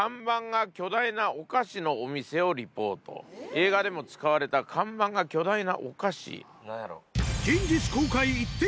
「映画でも使われた看板が巨大なお菓子」？